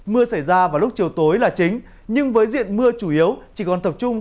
mưa xảy ra vào lúc chiều tối là chính nhưng với diện mưa chủ yếu chỉ còn tập trung